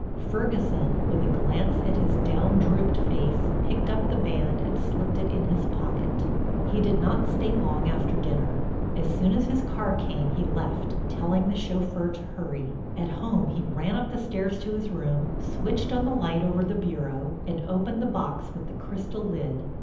Ferguson, with a glance at his down drooped face, picked up the band and slipped it in his pocket. He did not stay long after dinner. As soon as his car came he left, telling the chauffeur to hurry. At home he ran up the stairs to his room, switched on the light over the bureau and opened the box with the crystal lid.